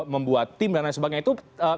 membuat tim dan lain sebagainya itu